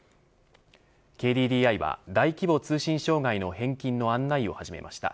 ＫＤＤＩは、大規模通信障害の返金の案内を始めました。